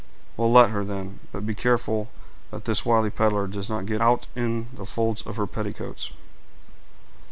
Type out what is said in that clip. "Well, let her then; but be careful that this wily peddler does not get out in the folds of her petticoats."